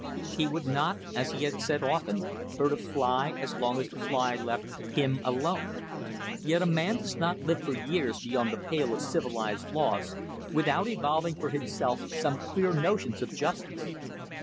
He would not, as he said often, hurt a fly as long as the fly left him alone; yet a man does not live for years beyond the pale of civilized laws without evolving for himself some queer notions of justice.